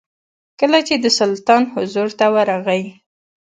کله چې د سلطان حضور ته ورغی.